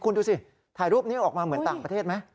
คุณดูสิถ่ายรูปนี้ออกมาเหมือนต่างประเทศไหม